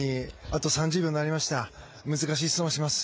最後に難しい質問をします。